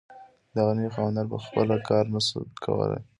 دغه نوي خاوندان په خپله کار نشو کولی.